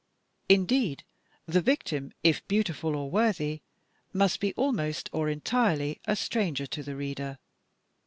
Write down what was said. Indeed, the victim, if beautiful or worthy, must be almost or entirely a stranger to the reader.